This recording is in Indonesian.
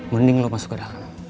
mending lo masuk ke dalam